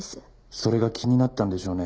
それが気になったんでしょうね